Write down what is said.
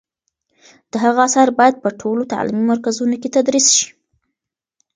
د هغه آثار باید په ټولو تعلیمي مرکزونو کې تدریس شي.